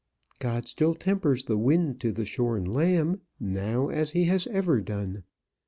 "God still tempers the wind to the shorn lamb, now as he has ever done.